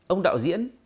ông đạo diễn